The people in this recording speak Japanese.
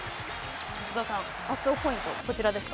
松田さん、熱男ポイント、こちらですか？